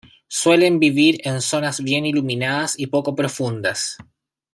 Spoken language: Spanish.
Suelen vivir en zonas bien iluminadas y poco profundas.